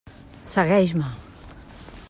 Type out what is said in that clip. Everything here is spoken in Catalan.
Segueix-me.